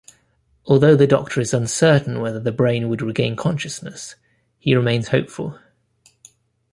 Although the doctor is uncertain whether the brain would regain consciousness, he remains hopeful.